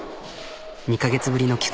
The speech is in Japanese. ２カ月ぶりの帰国。